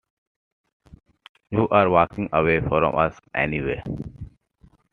You're walking away from us anyway ...